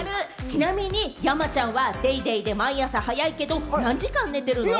ちなみに山ちゃん、『ＤａｙＤａｙ．』で毎朝早いけれども、何時間寝ているの？